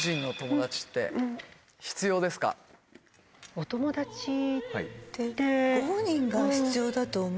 お友達って。